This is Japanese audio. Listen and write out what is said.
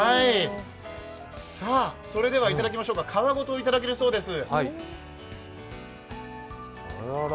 さあ、それではいただきましょうか皮ごといただけるそうです。